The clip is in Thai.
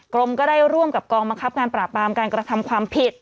กรมก็ได้ร่วมกับกองบังคับการปราบปรามการกระทำความผิด